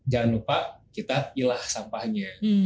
jangan lupa kita ilah sampahnya